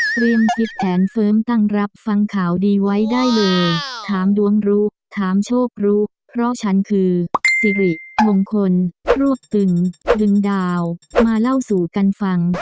คิดแผนเฟิร์มตั้งรับฟังข่าวดีไว้ได้เลยถามดวงรู้ถามโชครู้เพราะฉันคือสิริมงคลรวบตึงดึงดาวมาเล่าสู่กันฟัง